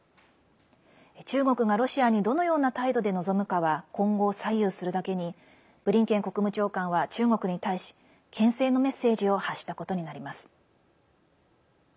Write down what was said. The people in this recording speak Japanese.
中国がロシアにどのような態度で臨むかは今後を左右するだけにブリンケン国務長官は中国に対しけん制のメッセージを発したことになります。